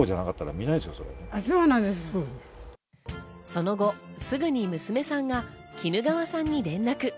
その後、すぐに娘さんが衣川さんに連絡。